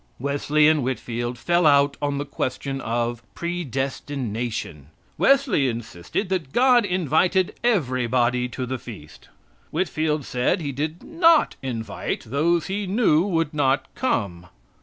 Wesley and Whitfield fell out on the question of predestination. Wesley insisted that God invited everybody to the feast. Whitfield said He did not invite those He knew would not come.